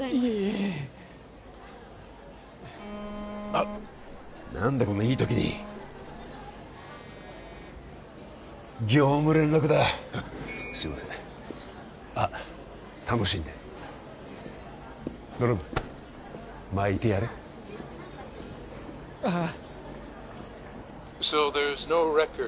いえいえあっ何だこんないい時に業務連絡だすいませんあっ楽しんでドラム巻いてやれああ